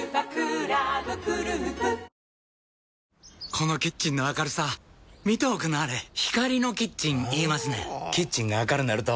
このキッチンの明るさ見ておくんなはれ光のキッチン言いますねんほぉキッチンが明るなると・・・